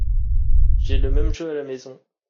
J'ai le même jeu à la maison.